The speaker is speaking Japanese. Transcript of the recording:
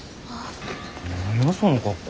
何やその格好。